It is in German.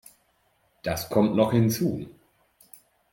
Das kommt noch hinzu.